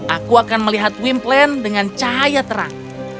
aku akan melihat wimpland dengan cahaya terang